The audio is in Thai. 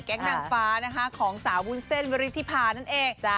นางฟ้านะคะของสาววุ้นเส้นวิริธิพานั่นเอง